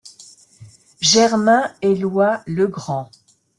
Germain-Eloi Legrand.